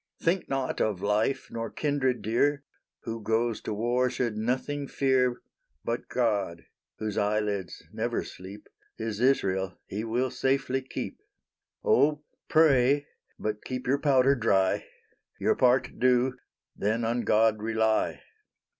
Think not of life nor kindred dear Who goes to war should nothing fear But God, whose eye lids never sleep His Israel He will safely keep. Oh, pray! but keep your powder dry Your part do, then on God rely.